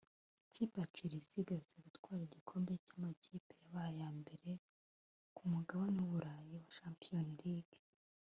Ikipe ya Chelsea iherutse gutwara igikombe cy’amakipe yabaye aya mbere ku mugabane w’Ubulayi Champions League